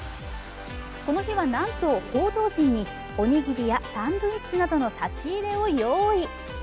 この日はなんと報道陣におにぎりやサンドイッチなどの差し入れを用意。